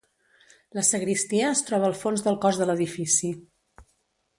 La sagristia es troba al fons del cos de l'edifici.